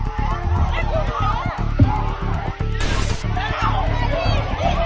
ช่วยฟังที่จะยืน